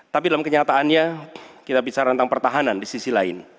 tapi dalam kenyataannya kita bicara tentang pertahanan di sisi lain